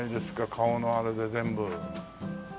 顔のあれで全部。